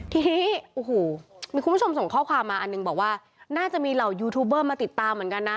ทีนี้โอ้โหมีคุณผู้ชมส่งข้อความมาอันหนึ่งบอกว่าน่าจะมีเหล่ายูทูบเบอร์มาติดตามเหมือนกันนะ